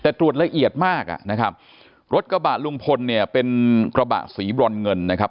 แต่ตรวจละเอียดมากอ่ะนะครับรถกระบะลุงพลเนี่ยเป็นกระบะสีบรอนเงินนะครับ